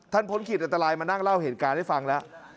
พ้นขีดอันตรายมานั่งเล่าเหตุการณ์ให้ฟังแล้ว